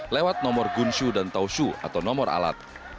lewat nomor gunshu dan tausu atau nomor alat